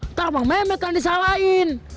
ntar bang memek kan disalahin